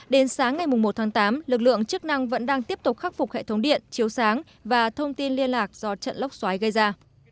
đến sáng ngày một tháng tám lực lượng chức năng vẫn đang tiếp tục khắc phục hệ thống điện chiếu sáng và thông tin liên lạc do trận lốc xoáy gây ra